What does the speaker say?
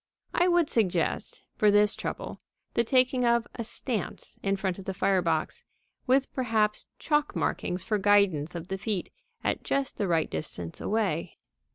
I would suggest, for this trouble, the taking of a "stance" in front of the fire box, with perhaps chalk markings for guidance of the feet at just the right distance away.